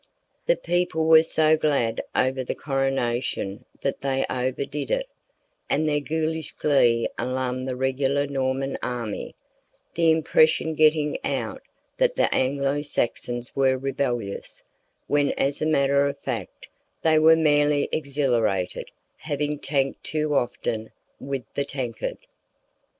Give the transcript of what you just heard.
The people were so glad over the coronation that they overdid it, and their ghoulish glee alarmed the regular Norman army, the impression getting out that the Anglo Saxons were rebellious, when as a matter of fact they were merely exhilarated, having tanked too often with the tankard.